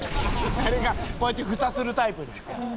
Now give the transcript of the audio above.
あれがこうやってふたするタイプのやつや。